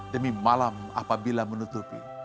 demi malam apabila menutupi